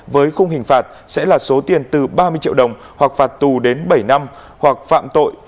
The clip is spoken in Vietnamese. với khung hình phạt sẽ là số tiền từ ba mươi triệu đồng hoặc phạt tù đến bảy năm hoặc phạm tội